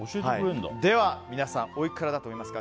では皆さんおいくらだと思いますか。